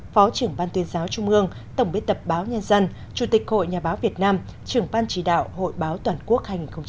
phó trưởng ban tuyên giáo trung ương tổng biên tập báo nhân dân chủ tịch hội nhà báo việt nam trưởng ban chỉ đạo hội báo toàn quốc hai nghìn một mươi chín